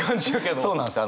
そうなんすよ。